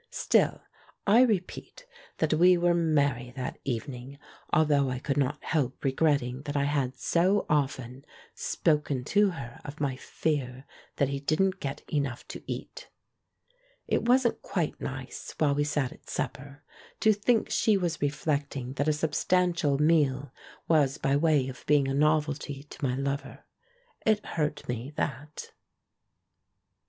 Still I repeat that we were merry that evening, although I could not help regretting that I had so often 212 THE MAN WHO UNDERSTOOD WOMEN spoken to her of my fear that he didn't get enough to eat. It wasn't quite nice, while we sat at supper, to think she was reflecting that a substantial meal was by way of being a novelty to my lover. It hurt me, that.